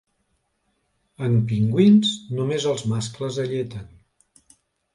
En pingüins només els mascles alleten.